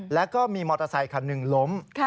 แล้วก็มีมอเตอร์ไซคันหนึ่งล้ม